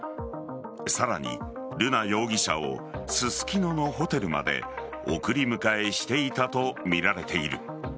さらに、瑠奈容疑者をススキノのホテルまで送り迎えしていたとみられている。